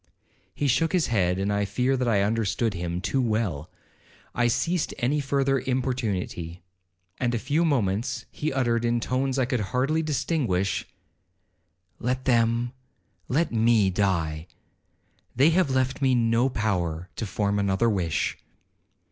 He shook his head and I fear that I understood him too well. I ceased any further importunity; and a few moments he uttered, in tones I could hardly distinguish, 'Let them, let me die.—They have left me no power to form another wish.'